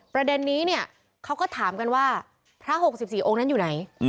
ประเด็นนี้เนี่ยเขาก็ถามกันว่าพระ๖๔องค์นั้นอยู่ไหน